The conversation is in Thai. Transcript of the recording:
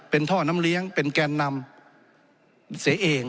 เป็นท่อน้ำเลี้ยงเป็นแกนนำเสียเอง